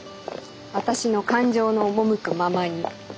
私の感情の赴くままに。